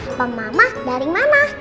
papa mama dari mana